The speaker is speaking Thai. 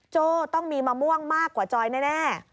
โจ้ต้องมีมะม่วงมากกว่าจอยแน่